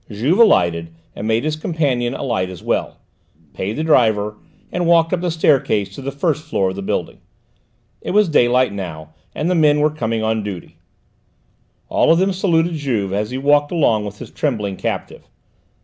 Juve alighted and made his companion alight as well, paid the driver, and walked up the staircase to the first floor of the building. It was daylight now, and the men were coming on duty; all of them saluted Juve as he walked along with his trembling captive.